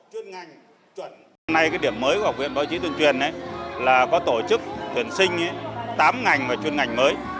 hôm nay cái điểm mới của học viện báo chí tuyển truyền là có tổ chức tuyển sinh tám ngành và chuyên ngành mới